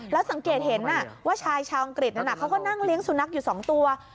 แล้วสังเกตเห็นว่าชายชาวอังกฤษนั้นเขาก็นั่งเลี้ยงสุนัขอยู่๒ตัว